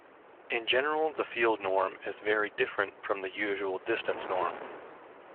In general, the field norm is very different from the usual distance norm.